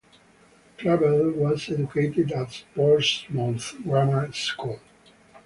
Clavell was educated at Portsmouth Grammar School.